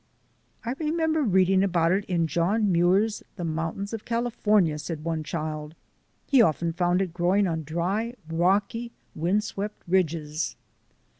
"I remember reading about it in John Muir's 'The Mountains of California/" said one child. "He often found it growing on dry, rocky, wind swept ridges."